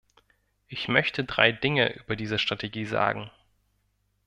Ich möchte drei Dinge über diese Strategie sagen.